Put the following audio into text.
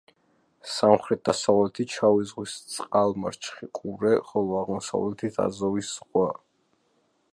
სამხრეთ-დასავლეთით შავი ზღვის წყალმარჩხი ყურე, ხოლო აღმოსავლეთით აზოვის ზღვა.